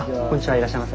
いらっしゃいませ。